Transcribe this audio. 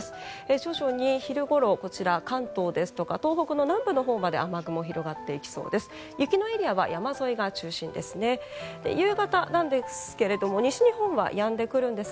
徐々に昼ごろこちら、関東ですとか東北の南部のほうまで雨雲が広がっていきそうです。